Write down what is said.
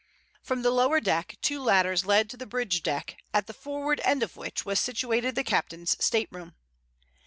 From the lower deck two ladders led to the bridge deck at the forward end of which was situated the captain's stateroom.